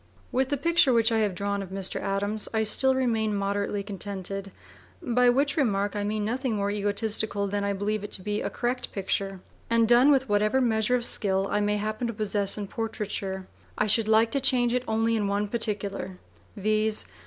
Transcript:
With the picture which I have drawn of Mr. Adams, I still remain moderately contented by which remark I mean nothing more egotistical than that I believe it to be a correct picture, and done with whatever measure of skill I may happen to possess in portraiture. I should like to change it only in one particular, viz.